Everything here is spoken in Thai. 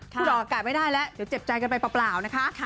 พูดออกอากาศไม่ได้แล้วเดี๋ยวเจ็บใจกันไปเปล่านะคะ